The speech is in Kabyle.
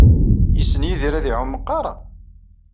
Yessen Yidir ad iɛum meqqar?